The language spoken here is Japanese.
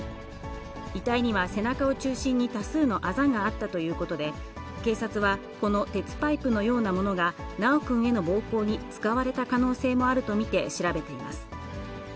遺体には背中を中心に多数のあざがあったということで、警察は、この鉄パイプのようなものが修くんへの暴行に使われた可能性もあると見て、調べています。